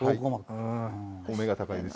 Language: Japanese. お目が高いです。